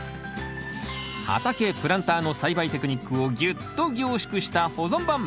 畑プランターの栽培テクニックをぎゅっと凝縮した保存版。